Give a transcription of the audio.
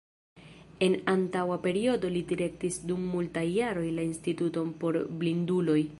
En antaŭa periodo li direktis dum multaj jaroj la Instituton por Blinduloj.